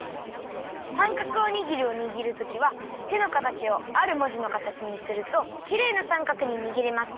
「さんかくおにぎりをにぎるときは手のかたちをあるもじのかたちにするときれいなさんかくににぎれます。